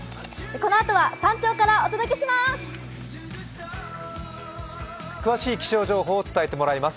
このあとは山頂からお届けしまーす。